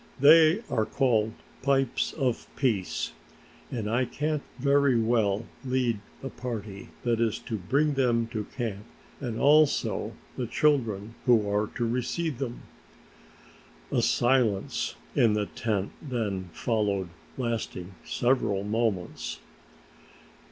They are called 'pipes of peace' and I can't very well lead the party that is to bring them to camp and also the children who are to receive them." A silence in the tent then followed, lasting several moments.